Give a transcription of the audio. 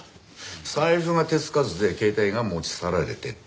財布が手つかずで携帯が持ち去られてたと。